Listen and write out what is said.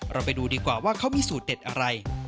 เราไปดูดีกว่าว่าเขามีสูตรเด็ดอะไร